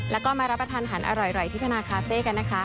แล้วก็มารับประทานหันอร่อยที่ธนาคาเฟ่กันนะคะ